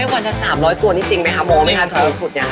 วันละ๓๐๐กวนนี่จริงไหมคะมองไหมคะส่วนที่สุดเนี่ย